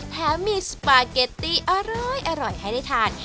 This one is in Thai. แถมมีสปาเกตตี้อร้อยให้ได้ทาน